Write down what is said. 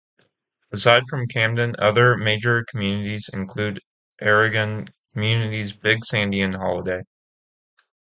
Aside from Camden, other major communities include agrarian communities Big Sandy and Holladay.